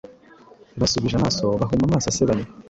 Basubije amaso bahuma amaso asebanya,